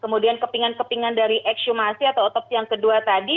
kemudian kepingan kepingan dari ekshumasi atau otopsi yang kedua tadi